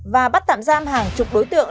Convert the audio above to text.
và bắt tạm giam hàng chục đối tượng